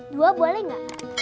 dua boleh gak